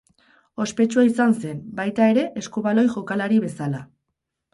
Ospetsua izan zen, baita ere, eskubaloi jokalari bezala.